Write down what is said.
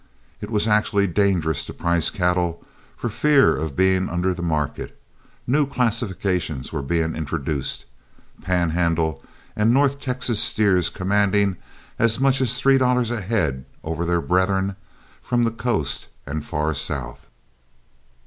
It was actually dangerous to price cattle for fear of being under the market; new classifications were being introduced, Pan Handle and north Texas steers commanding as much as three dollars a head over their brethren from the coast and far south.